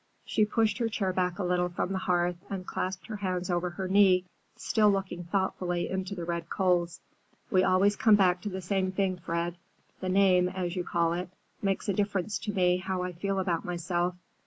She pushed her chair back a little from the hearth and clasped her hands over her knee, still looking thoughtfully into the red coals. "We always come back to the same thing, Fred. The name, as you call it, makes a difference to me how I feel about myself.